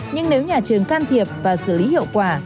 nhưng nếu nhà trường can thiệp và xử lý hiệu quả